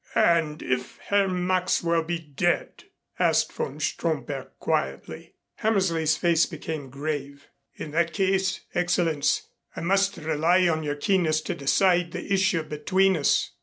"And if Herr Maxwell be dead?" asked von Stromberg quietly. Hammersley's face became grave. "In that case, Excellenz, I must rely on your keenness to decide the issue between us."